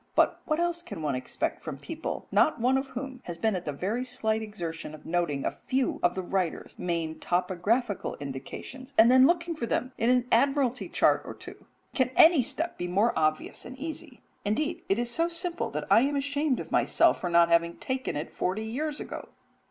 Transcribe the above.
But what else can one expect from people, not one of whom has been at the very slight exertion of noting a few of the writer's main topographical indications, and then looking for them in an Admiralty chart or two? Can any step be more obvious and easy indeed, it is so simple that I am ashamed of myself for not having taken it forty years ago.